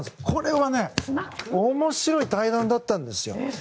これは面白い対談だったんですよ。